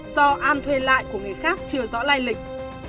điện thoại của người khác chưa rõ lai lịch